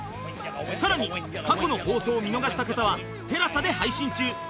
更に過去の放送を見逃した方はテラサで配信中